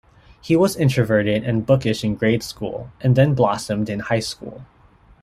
He was introverted and bookish in grade school and then blossomed in high school.